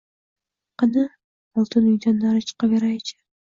Qani, oldin uydan nari chiqaveray-chi